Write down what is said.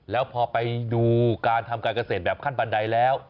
แล้วพอไปดูการทำการเกษตรแบบขั้นบันไดแล้ว